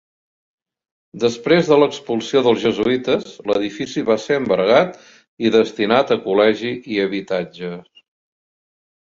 Després de l'expulsió dels jesuïtes, l'edifici va ser embargat i destinat a col·legi i habitatges.